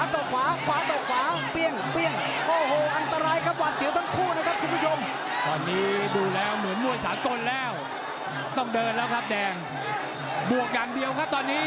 ตั้งปล่อยตั้งโดนนี่คือความสนุกความเย็นข้นของมวยทีวี